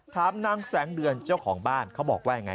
ถามนางแสงเดือนเจ้าของบ้านเขาบอกว่ายังไง